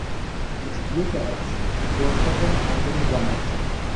Er spielte als Vorstopper bei den Gunners.